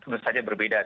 tentu saja berbeda